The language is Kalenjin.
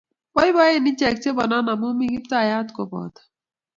Boiboen ichek che bonon amu mi Kiptayat kopoto